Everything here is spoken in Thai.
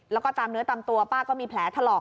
แล้วก็ตามเนื้อตามตัวป้าก็มีแผลถลอก